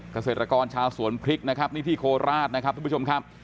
เกษตรกรชาวสวนพริกนะครับนี่ที่โคราชนะครับทุกผู้ชมครับ